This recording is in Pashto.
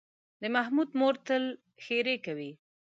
د محمود مور تل ښېرې کوي.